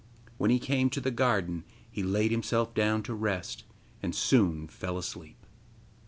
When he came to the garden he laid himself down to rest, and soon fell asleep.